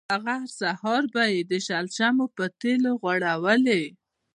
هغه هر سهار به یې د شرشمو په تېلو غوړولې.